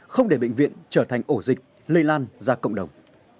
không để bệnh viện trở thành ổ dịch lây lan ra cộng đồng